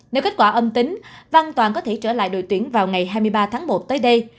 nếu kết quả âm tính văn toàn có thể trở lại đội tuyển vào ngày hai mươi ba tháng một tới đây